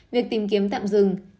việc tìm kiếm tạm dừng